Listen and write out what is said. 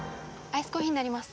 アイスコーヒーになります。